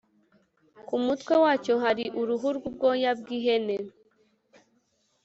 ku mutwe wacyo hari uruhu rw’ubwoya bw’ihene.